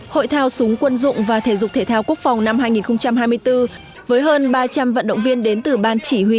hội thao súng quân dụng và thể dục thể thao quốc phòng năm hai nghìn hai mươi bốn với hơn ba trăm linh vận động viên đến từ ban chỉ huy